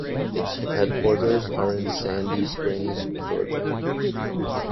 Its headquarters are in Sandy Springs, Georgia.